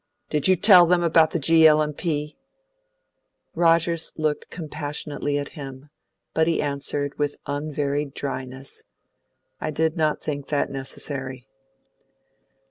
Did you tell them about the G. L. & P.?" Rogers looked compassionately at him, but he answered, with unvaried dryness, "I did not think that necessary."